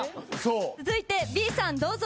続いてＢさんどうぞ。